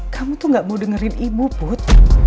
kamu tuh gak mau dengerin ibu put